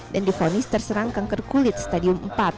dan difonis terserang kanker kulit stadium empat